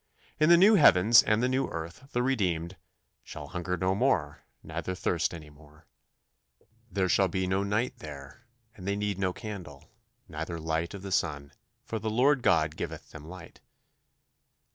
In the new heavens and the new earth the redeemed "shall hunger no more, neither thirst any more"; "There shall be no night there; and they need no candle, neither light of the sun; for the Lord God giveth them light."